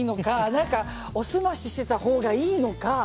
何か、おすまししていたほうがいいのか。